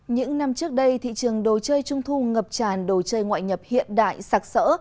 những năm trước đây thị trường đồ chơi trung thu ngập tràn đồ chơi ngoại nhập hiện đại sạc sỡ